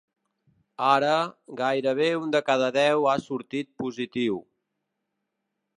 Ara, gairebé un de cada deu ha sortit positiu.